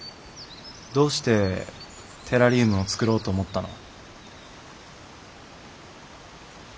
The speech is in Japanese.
どうしてテラリウムを作ろうと思ったの？